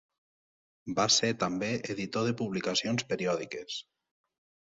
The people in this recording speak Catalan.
Va ser també editor de publicacions periòdiques.